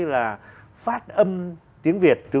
là phát âm tiếng việt